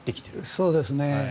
そうですね。